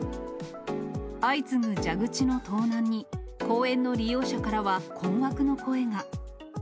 相次ぐ蛇口の盗難に、公園の利用者からは困惑の声が。